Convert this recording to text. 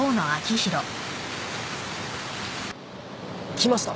来ました。